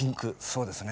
そうですね。